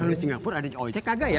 kalau di singapura ada ojk gak ya